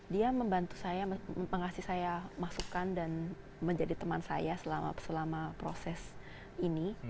dia membantu saya mengasih saya masukkan dan menjadi teman saya selama proses ini